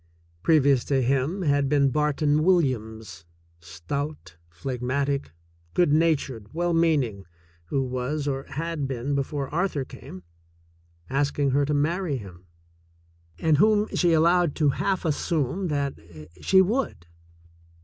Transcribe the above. Previous to him had been Barton Williams, stout, phlegmatic, good natured, well meaning, who was, or had been before Arthur came, asking her to marry him, and whom she allowed to half assume that she would.